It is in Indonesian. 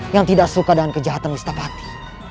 yang tidak suka dengan kejahatan wistapati